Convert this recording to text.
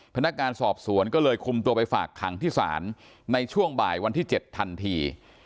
พนักงานสอบสวนก็เลยคุมตัวไปฝากขังที่ศาลในช่วงบ่ายวันที่๗ทันที